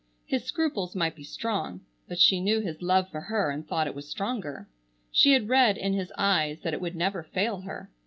His scruples might be strong, but she knew his love for her, and thought it was stronger. She had read in his eyes that it would never fail her.